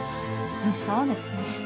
そうですね。